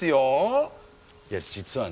いや実はね